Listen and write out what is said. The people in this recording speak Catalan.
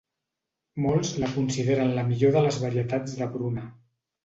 Molts la consideren la millor de les varietats de pruna.